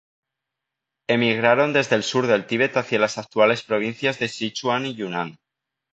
Emigraron desde el sur del Tíbet hacia las actuales provincias de Sichuan y Yunnan.